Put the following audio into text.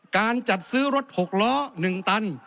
การจัดซื้อรถหกล้อหนึ่งตัน